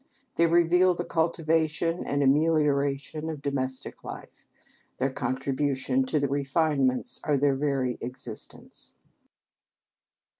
They reveal the cultivation and amelioration of domestic life. Their contribution to the refinements are their very existence.